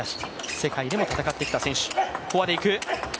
世界でも戦ってきた選手。